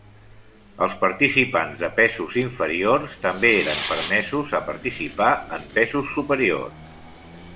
Els participants de pesos inferiors també eren permesos a participar en pesos superiors.